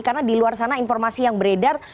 karena di luar sana informasi yang beredar